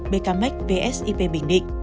bkmec vsip bình định